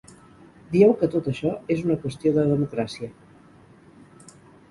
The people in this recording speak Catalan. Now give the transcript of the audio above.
Dieu que tot això és una qüestió de democràcia.